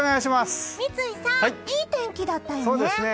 三井さん、いい天気だったよね。